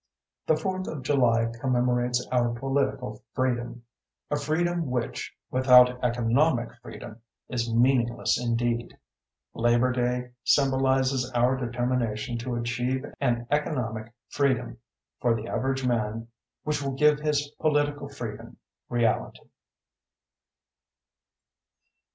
The Fourth of July commemorates our political freedom a freedom which without economic freedom is meaningless indeed. Labor Day symbolizes our determination to achieve an economic freedom for the average man which will give his political freedom reality.